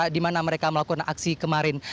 di mana mereka melakukan aksi kemarin